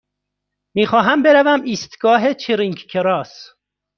می خواهم بروم ایستگاه چرینگ کراس.